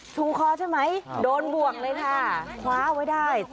งคอใช่ไหมโดนบวกเลยค่ะคว้าไว้ได้